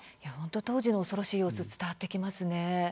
当時の恐ろしい様子伝わってきますね。